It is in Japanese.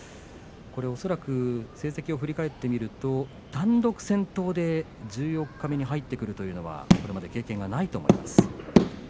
恐らく成績を振り返ってみると単独先頭で十四日目に入ってくるというのは今まで経験がないと思います。